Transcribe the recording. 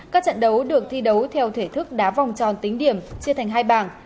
các trận đấu được thi đấu theo thể thức đá vòng tròn tính điểm chia thành hai bảng